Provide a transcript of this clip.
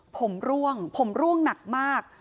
ผมร่วงผมร่วงหนักมาก